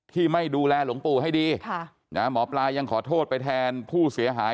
ที่ไม่ดูแลหลวงปู่ให้ดีหมอปลายังขอโทษไปแทนผู้เสียหาย